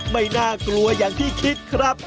ไม่น่ากลัวอย่างที่คิดครับ